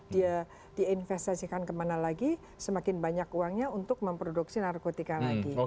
dia diinvestasikan kemana lagi semakin banyak uangnya untuk memproduksi narkotika lagi